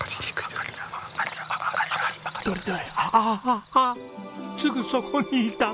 ああっすぐそこにいたんだ！